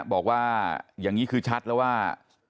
บอกว่าอย่างนี้คือชัดแล้วว่า